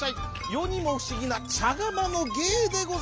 よにもふしぎなちゃがまのげいでござい。